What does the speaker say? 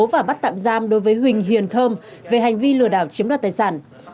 và bắt tạm giam đối với huỳnh hiền thơm về hành vi lừa đảo chiếm đoạt tài sản